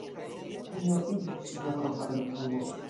Tio iĝis ŝia nova albumo.